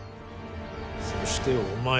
そしてお前。